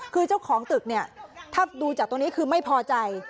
คือเจ้าของตึกเนี่ยถ้าดูจากตรงนี้คือไม่พอใจ